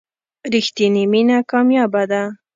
رښتینې مینه کمیابه ده.